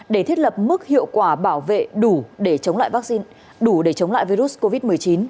để thiết lập mức hiệu quả bảo vệ đủ để chống lại virus covid một mươi chín